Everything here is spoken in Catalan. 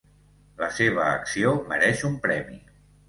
La seva acció mereix un premi.